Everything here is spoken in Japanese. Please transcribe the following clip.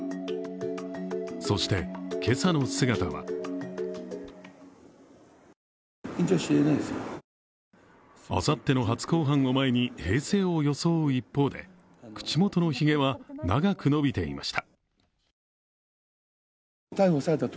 そして、けさの姿はあさっての初公判を前に平静を装う一方で口元のひげは長く伸びていました。